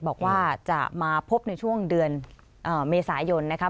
บอกว่าจะมาพบในช่วงเดือนเมษายนนะครับ